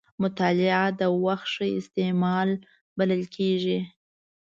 مطالعه د وخت ښه استعمال بلل کېږي.